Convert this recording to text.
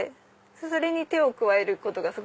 それに手を加えることがすごく楽しい作業で。